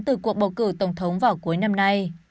từ cuộc bầu cử tổng thống vào cuối năm nay